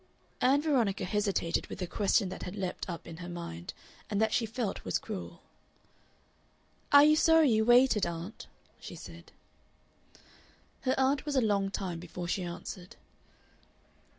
Ann Veronica hesitated with a question that had leaped up in her mind, and that she felt was cruel. "Are you sorry you waited, aunt?" she said. Her aunt was a long time before she answered.